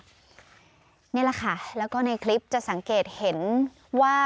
นี่แหละค่ะแล้วก็ในคลิปจะสังเกตเห็นว่า